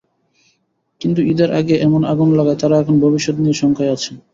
কিন্তু ঈদের আগে এমন আগুন লাগায় তাঁরা এখন ভবিষ্যত্ নিয়ে শঙ্কায় আছেন।